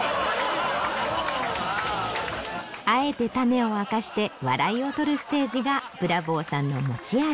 あえてタネを明かして笑いをとるステージがブラボーさんの持ち味。